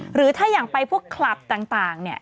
หรือถ้าอย่างไปพวกคลับต่างเนี่ย